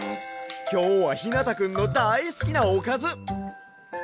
きょうはひなたくんのだいすきなおかず。